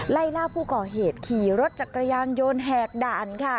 ไล่ล่าผู้ก่อเหตุขี่รถจักรยานยนต์แหกด่านค่ะ